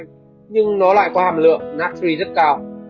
nhưng nó lại có hàm lượng natri rất cao